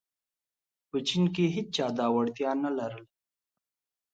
په چین کې هېچا دا وړتیا نه لرله.